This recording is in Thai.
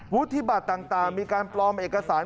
วุฒิบัตรต่างมีการปลอมเอกสาร